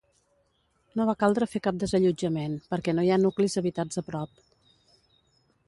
No va caldre fer cap desallotjament, perquè no hi ha nuclis habitats a prop.